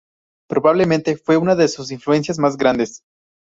Probablemente fue una de sus influencias más grandes.